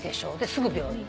すぐ病院。